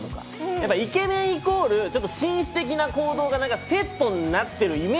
やっぱイケメンイコール紳士的な行動がセットになってるイメージじゃん。